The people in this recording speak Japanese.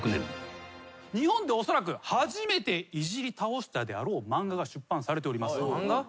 日本でおそらく初めてイジり倒したであろう漫画が出版されております。